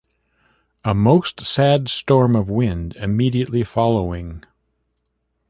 A most sad storm of wind immediately following.